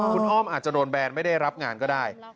คุณอ้อมอาจจะโดนแบนไม่ได้รับงานก็ได้